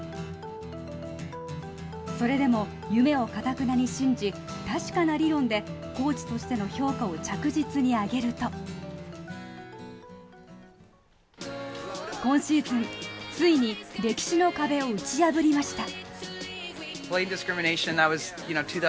それでも、夢をかたくなに信じ確かな理論でコーチとしての評価を着実に上げると今シーズン、ついに歴史の壁を打ち破りました。